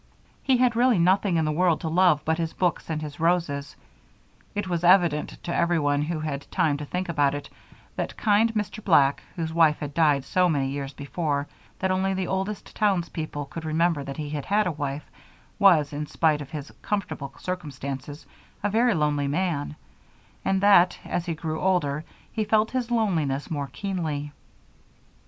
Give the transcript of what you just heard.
He had really nothing in the world to love but his books and his roses. It was evident, to anyone who had time to think about it, that kind Mr. Black, whose wife had died so many years before that only the oldest townspeople could remember that he had had a wife, was, in spite of his comfortable circumstances, a very lonely man, and that, as he grew older, he felt his loneliness more keenly.